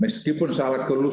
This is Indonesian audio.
meskipun salah kelompok